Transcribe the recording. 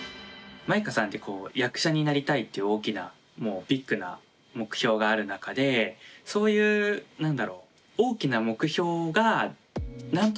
まいかさんって役者になりたいって大きなビッグな目標がある中でそういう何だろう。